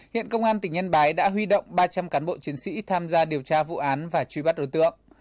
hiện công an tỉnh nhân bái đã huy động ba trăm linh cán bộ chiến sĩ tham gia điều tra vụ án và truy bắt đối tượng